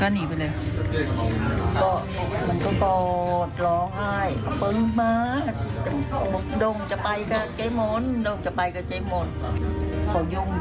เขายุ่งให้มันก็อีก